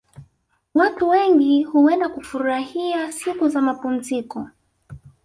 Watu wengi huenda kufurahia siku za mapumziko